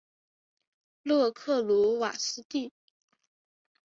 勒克鲁瓦斯蒂。